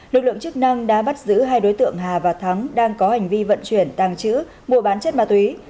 lực lượng chức năng đã bắt giữ hai đối tượng hà và thắng đang có hành vi vận chuyển tàng chữ mua bán chất ma túy